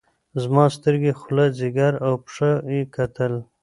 زما سترګې خوله ځيګر او پښه يې کتل.